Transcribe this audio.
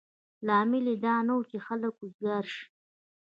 لامل یې دا نه و چې خلک وزګار شي.